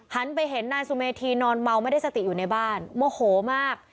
ไปเห็นนายสุเมธีนอนเมาไม่ได้สติอยู่ในบ้านโมโหมาก